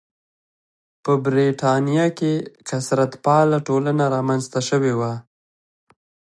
په برېټانیا کې کثرت پاله ټولنه رامنځته شوې وه.